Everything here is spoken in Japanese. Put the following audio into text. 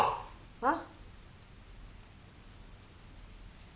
あっ！